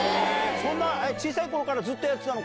そんな小さいころからずっとやってたのか。